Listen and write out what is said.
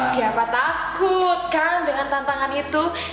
siapa takut kan dengan tantangan itu